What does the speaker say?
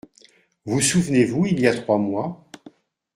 Vous souvenez-vous, il y a trois mois…